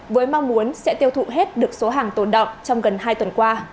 với mong muốn sẽ tiêu thụ hết được số hàng tồn động trong gần hai tuần qua